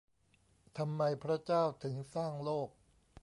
ทำไมพระเจ้าถึงสร้างโลก ?